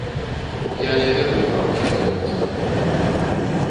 Я не ведаю, праўда, як ён зарабляў.